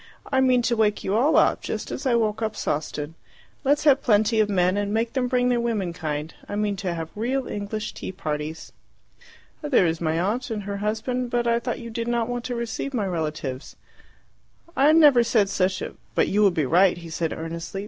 "I mean to wake you all up, just as I woke up Sawston. Let's have plenty of men and make them bring their womenkind. I mean to have real English tea parties." "There is my aunt and her husband; but I thought you did not want to receive my relatives." "I never said such a " "But you would be right," he said earnestly.